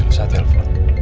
ya lu saatnya telfon